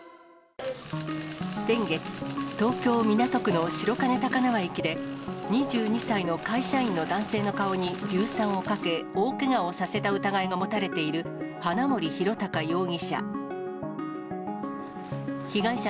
先月、東京・港区の白金高輪駅で、２２歳の会社員の男性の顔に硫酸をかけ、大けがをさせた疑いが持たれている花森弘卓容疑者。